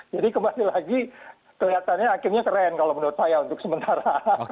jadi kembali lagi kelihatannya akhirnya keren kalau menurut saya untuk sementara